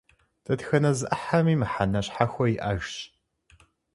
Дэтхэнэ зы Ӏыхьэми мыхьэнэ щхьэхуэ иӀэжщ.